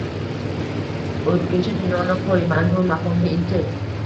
O‘tkinchi dunyoni qo‘y, mangu makonga intil.